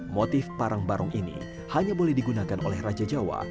motif parang barong ini hanya boleh digunakan oleh raja jawa